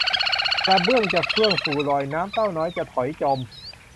กระเบื้องจะเฟื่องฟูลอย น้ำเต้าน้อยจะถอยจม